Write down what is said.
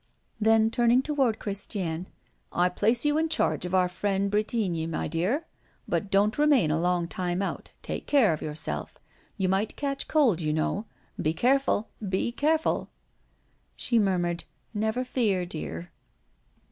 Then, turning toward Christiane: "I place you in charge of our friend Bretigny, my dear; but don't remain a long time out take care of yourself. You might catch cold, you know. Be careful! be careful!" She murmured: "Never fear, dear."